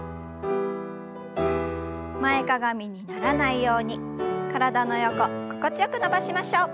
前かがみにならないように体の横心地よく伸ばしましょう。